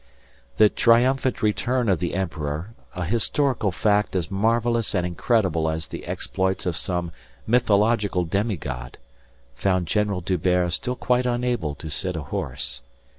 The triumphant return of the emperor, a historical fact as marvellous and incredible as the exploits of some mythological demi god, found General D'Hubert still quite unable to sit a horse.